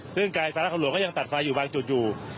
เรื่องการศาลักษณะของหลวงก็ยังตัดไฟอยู่บางจุดอยู่